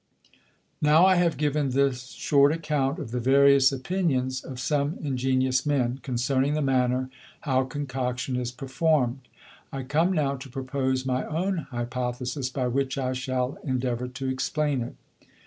Now I have given this short Account of the various Opinions of some Ingenious Men, concerning the manner how Concoction is perform'd; I come now to propose my own Hypothesis, by which I shall endeavour to explain it.